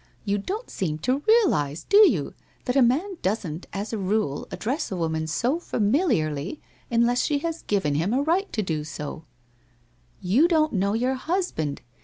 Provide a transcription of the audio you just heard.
' You don't seem to realize, do you, that a man doesn't as a rule address a woman so familiarly unless she has given him a right to do so/ ' You don't know your husband